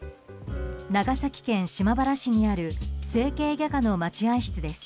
長崎県島原市にある整形外科の待合室です。